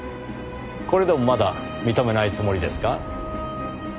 これでもまだ認めないつもりですか？